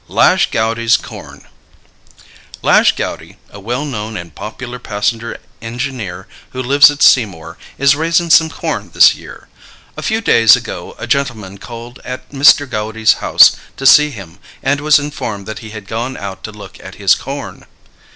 'LIGE GOUDY'S CORN. 'Lige Goudy, a well known and popular passenger engineer, who lives at Seymour, is raising some corn this year. A few days ago a gentleman called at Mr. Goudy's house to see him, and was informed that he had gone out to look at his corn.